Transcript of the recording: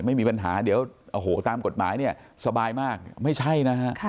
ไม่มีปัญหาเดี๋ยวโอ้โหตามกฎหมายเนี่ยสบายมากไม่ใช่นะฮะ